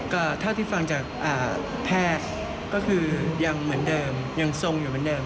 ก็เท่าที่ฟังจากแพทย์ก็คือยังเหมือนเดิมยังทรงอยู่เหมือนเดิม